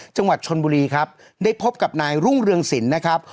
จังหวัดชนบุรีครับได้พบกับนายรุ่งเรืองศิลป์นะครับ